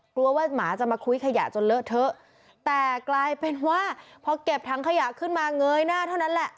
กลัวว่าหมาจะมาคุ้ยขยะจนเลอะเทอะแต่กลายเป็นว่าพอเก็บถังขยะขึ้นมาเงยหน้าเท่านั้นแหละ